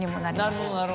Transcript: なるほどなるほど。